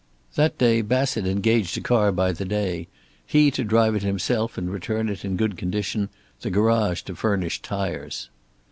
That day Bassett engaged a car by the day, he to drive it himself and return it in good condition, the garage to furnish tires.